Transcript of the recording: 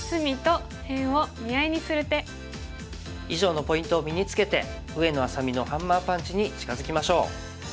以上のポイントを身につけて上野愛咲美のハンマーパンチに近づきましょう。